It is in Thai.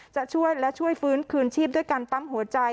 จะช่วยและช่วยฟื้นคืนชีพด้วยการปั๊มหัวใจ